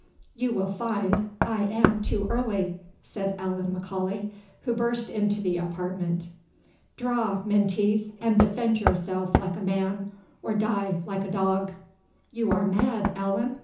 "You will find I am too early," said Allan M'Aulay, who burst into the apartment. "Draw, Menteith, and defend yourself like a man, or die like a dog!" "You are mad, Allan!"